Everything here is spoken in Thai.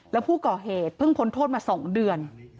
แล้วผู้ก่อเหตุเพิ่งพ้นโทษมา๒เดือน